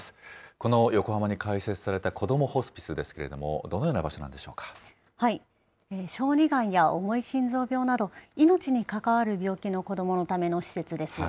この横浜に開設されたこどもホスピスですけれども、どのような場小児がんや重い心臓病など、命にかかわる病気の子どものための施設です。